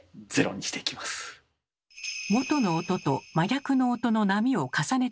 元の音と真逆の音の波を重ねて聞いてみると。